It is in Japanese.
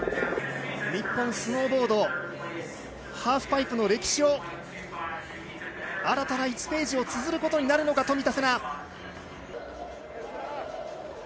日本スノーボードハーフパイプの歴史を新たな１ページをつづることになるのか冨田せな。